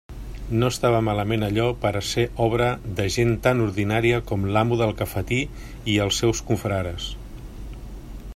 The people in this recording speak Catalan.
No estava malament allò per a ser obra de gent tan ordinària com l'amo del cafetí i els seus confrares.